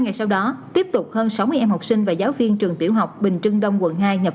ngay sau đó tiếp tục hơn sáu mươi em học sinh và giáo viên trường tiểu học bình trưng đông quận hai nhập